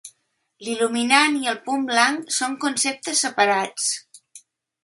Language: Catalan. L"il·luminant i el punt blanc són conceptes separats.